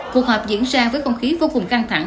cuộc họp diễn ra với không khí vô cùng căng thẳng